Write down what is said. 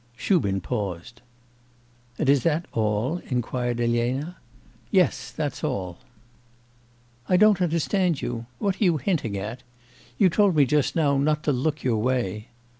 Shubin paused. 'And is that all?' inquired Elena. 'Yes that's all.' 'I don't understand you. What are you hinting at? You told me just now not to look your way.